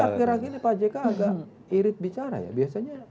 tapi akhir akhir ini pak jk agak irit bicara ya biasanya